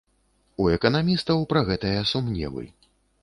У эканамістаў пра гэтае сумневы.